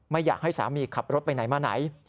อยากให้สามีขับรถไปไหนมาไหน